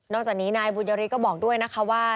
จากนี้นายบุญยฤทธิก็บอกด้วยนะคะว่า